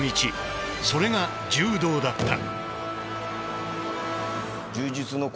それが柔道だった。